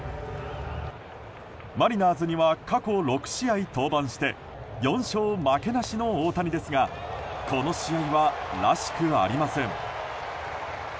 マリナーズには過去６試合登板して４勝負けなしの大谷ですがこの試合は、らしくありません。